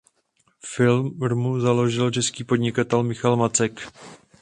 Firmu založil český podnikatel Michal Macek.